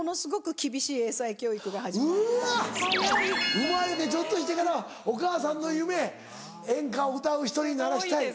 生まれてちょっとしてからお母さんの夢演歌を歌う人にならしたい。